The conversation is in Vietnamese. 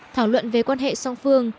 thảo luận về quan hệ song phương